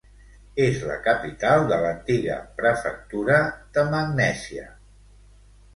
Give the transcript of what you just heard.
És la capital de l'antiga prefectura de Magnèsia.